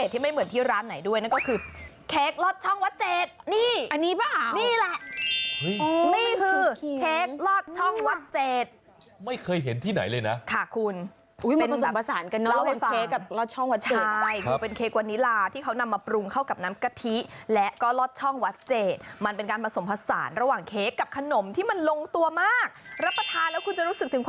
แถมยังเป็นเค้กแบบโฮมเมตด้วยนะ